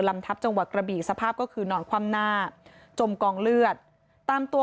ลำทัพจังหวัดกระบี่สภาพก็คือนอนคว่ำหน้าจมกองเลือดตามตัว